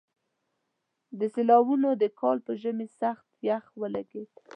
د سېلاوونو د کال په ژمي سخت يخ ولګېد.